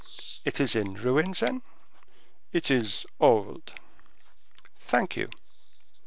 "It is in ruins, then?" "It is old." "Thank you."